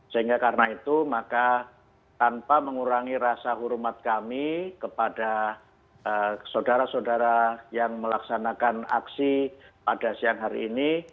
sehingga karena itu maka tanpa mengurangi rasa hormat kami kepada saudara saudara yang melaksanakan aksi pada siang hari ini